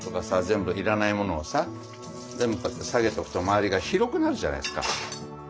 全部要らないものをさ全部こうやって下げておくと周りが広くなるじゃないですか。